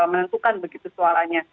menentukan begitu suaranya